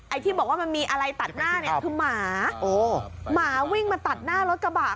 ที่บอกว่ามันมีอะไรตัดหน้าเนี่ยคือหมาหมาวิ่งมาตัดหน้ารถกระบะ